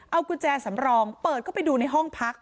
เอากุญแจสำรองเปิดเข้าไปดูในห้องพัก